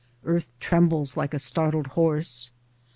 Earth trembles like a startled horse.